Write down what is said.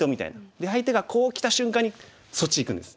で相手がこうきた瞬間にそっちいくんです。